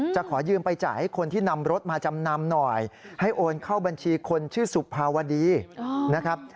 ขอยืมไปจ่ายให้คนที่นำรถมาจำนำหน่อยให้โอนเข้าบัญชีคนชื่อสุภาวดีนะครับ